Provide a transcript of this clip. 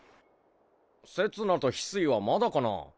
せつなと翡翠はまだかな。